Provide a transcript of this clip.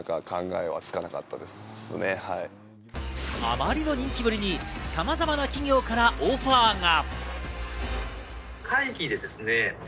あまりの人気ぶりにさまざまな企業からオファーが。